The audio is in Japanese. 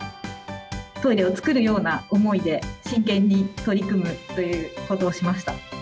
トイレを作るような思いで、真剣に取り組むということをしました。